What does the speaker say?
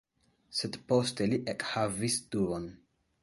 Sed poste li ekhavis dubon.